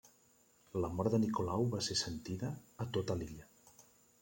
La mort de Nicolau va ser sentida a tota l’illa.